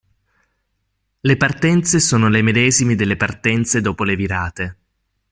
Le partenze sono le medesime delle partenze dopo le virate.